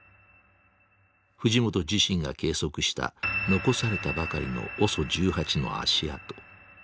藤本自身が計測した残されたばかりのＯＳＯ１８の足跡。